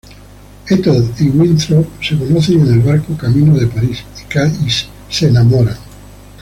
Ethel Y Winthrop se conocen en el barco camino a París y caen enamorados.